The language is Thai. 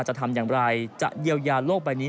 จะทำอย่างไรจะเยียวยาโลกใบนี้